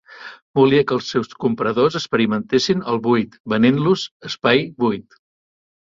Volia que els seus compradors experimentessin El buit venent-los espai buit.